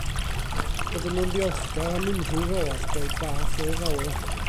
Byddwn yn ddiolchgar am unrhyw rodd, boed fach neu fawr